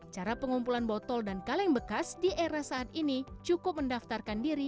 cara pengumpulan botol dan kaleng bekas di era saat ini cukup mendaftarkan diri